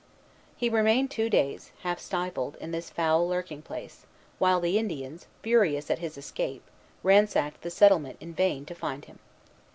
He remained two days, half stifled, in this foul lurking place, while the Indians, furious at his escape, ransacked the settlement in vain to find him.